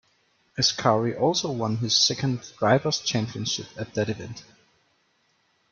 Ascari also won his second Drivers' Championship at that event.